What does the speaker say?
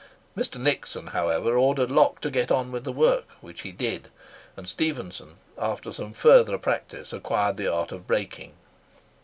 Mr. Nixon, however, ordered Locke to go on with the work, which he did; and Stephenson, after some further practice, acquired the art of brakeing.